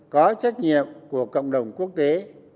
có trách nhiệm của cộng đồng quốc tế